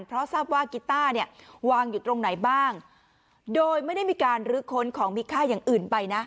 เพราะทราบว่ากีต้าเนี่ยวางอยู่ตรงไหนบ้างโดยไม่ได้มีการลื้อค้นของมีค่าอย่างอื่นไปนะ